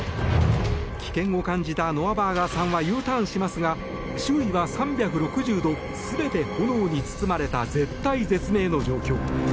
危険を感じたノア・バーガーさんはＵターンしますが周囲は３６０度全て炎に包まれた絶体絶命の状況。